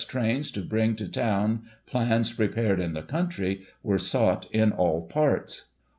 trains, to bring to town plans prepared in the country, were sought in all parts.